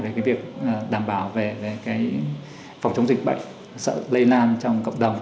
về cái việc đảm bảo về cái phòng chống dịch bệnh sợ lây lan trong cộng đồng